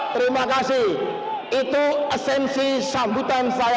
terima kasih itu esensi sambutan saya